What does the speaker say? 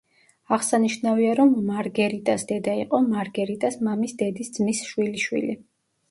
აღსანიშნავია, რომ მარგერიტას დედა იყო მარგერიტას მამის დედის ძმის შვილიშვილი.